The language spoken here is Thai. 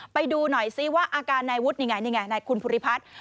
ไปดูหน่อยซิว่าอาการนายวุฒินี่ไงนี่ไงนายคุณภูริพัฒน์